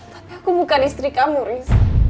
tapi aku bukan istri kamu riz